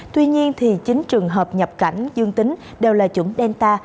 tuy nhiên chín trường hợp nhập cảnh dương tính đều là chủng delta